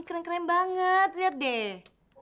keren banget lihat deh